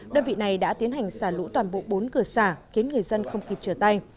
đơn vị này đã tiến hành xả lũ toàn bộ bốn cửa xả khiến người dân không kịp trở tay